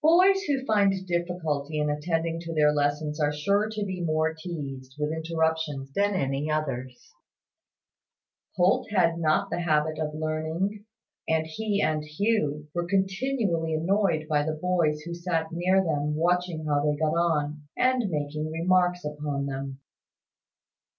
Boys who find difficulty in attending to their lessons are sure to be more teased with interruptions than any others. Holt had not the habit of learning; and he and Hugh were continually annoyed by the boys who sat near them watching how they got on, and making remarks upon them.